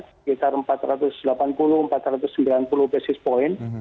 sekitar empat ratus delapan puluh empat ratus sembilan puluh basis point